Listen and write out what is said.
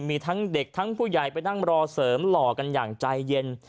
มีทั้งเด็กทั้งผู้ใหญ่ไปนั่งรอเสริมหล่อกันอย่างใจเย็น